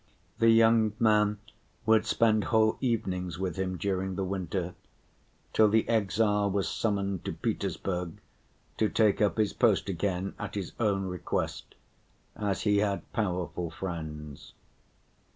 The young man would spend whole evenings with him during that winter, till the exile was summoned to Petersburg to take up his post again at his own request, as he had powerful friends.